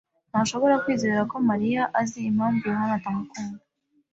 ntashobora kwizera ko Mariya azi impamvu Yohana atamukunda.